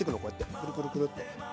くるくるくるっと。